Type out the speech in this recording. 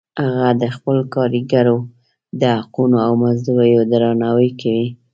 هغه د خپلو کاریګرو د حقونو او مزدوریو درناوی کوي